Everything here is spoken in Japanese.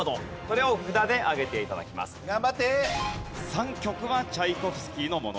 ３曲はチャイコフスキーのもの